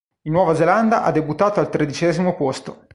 In Nuova Zelanda ha debuttato al tredicesimo posto.